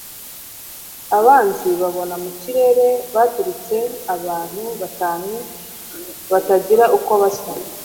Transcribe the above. abanzi babona mu kirere haturutse abantu batanu batagira uko basa